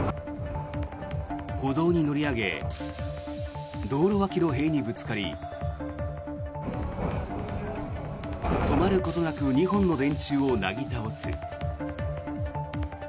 歩道に乗り上げ道路脇の塀にぶつかり止まることなく２本の電柱をなぎ倒す。